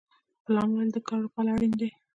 پلان ولې د کار لپاره اړین دی؟